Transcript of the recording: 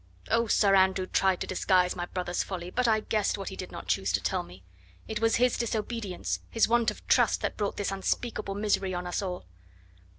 Oh! Sir Andrew tried to disguise my brother's folly, but I guessed what he did not choose to tell me. It was his disobedience, his want of trust, that brought this unspeakable misery on us all."